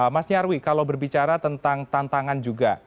mas nyarwi kalau berbicara tentang tantangan yang terjadi